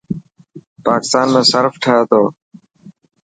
پاڪستان ۾ صرف ٺهي تو.